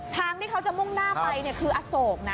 ทางที่เขาจะมุ่งหน้าไปคืออโศกนะ